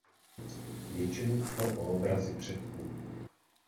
Většinou šlo o obrazy předků.